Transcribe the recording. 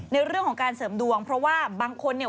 ในเรื่องของการเสริมดวงเพราะว่าบางคนเนี่ย